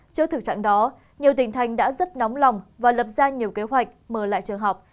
trước thực trạng đó nhiều tỉnh thành đã rất nóng lòng và lập ra nhiều kế hoạch mở lại trường học